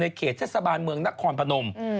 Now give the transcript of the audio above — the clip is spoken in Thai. เขตเทศบาลเมืองนครพนม